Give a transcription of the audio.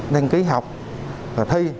đăng ký học và thi